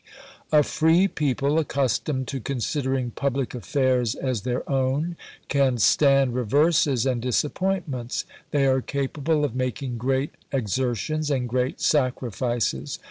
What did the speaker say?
A free people, accustomed to considering public affairs as their own, can stand reverses and disap pointments ; they are capable of making great ex ertions and great sacrifices.